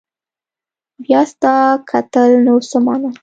بيا ستا کتل نو څه معنا